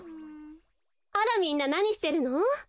あらみんななにしてるの？